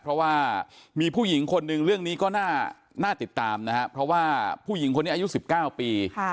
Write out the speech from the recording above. เพราะว่ามีผู้หญิงคนหนึ่งเรื่องนี้ก็น่าติดตามนะครับเพราะว่าผู้หญิงคนนี้อายุ๑๙ปี